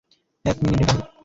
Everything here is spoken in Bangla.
এক মিনিট, ভাই।